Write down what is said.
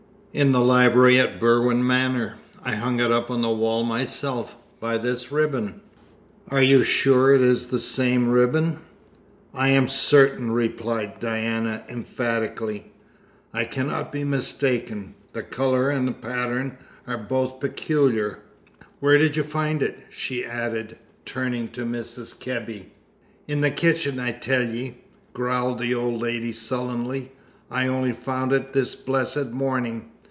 "In the library at Berwin Manor. I hung it up on the wall myself, by this ribbon." "Are you sure it is the same ribbon?" "I am certain," replied Diana emphatically. "I cannot be mistaken; the colour and pattern are both peculiar. Where did you find it?" she added, turning to Mrs. Kebby. "In the kitchen, I tell ye," growled the old woman sullenly. "I only found it this blessed morning.